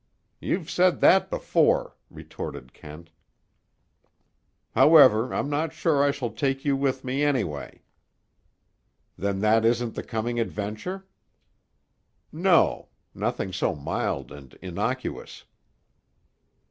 "You've said that before," retorted Kent. "However, I'm not sure I shall take you with me, anyway." "Then that isn't the coming adventure?" "No; nothing so mild and innocuous."